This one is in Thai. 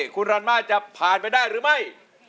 คุณรันมาจะผ่านไปได้หรือไม่